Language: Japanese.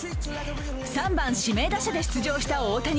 ３番・指名打者で出場した大谷。